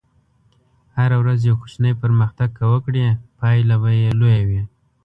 هره ورځ یو کوچنی پرمختګ که وکړې، پایله به لویه وي.